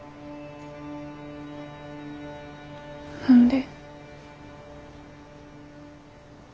何で。